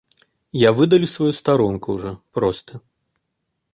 Я выдалю сваю старонку ужо проста.